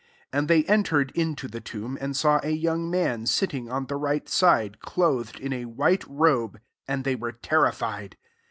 5 And they entered into the tonb^ and saw a young man sit ting on the right side, clothed in a white robe ; and they were terrified.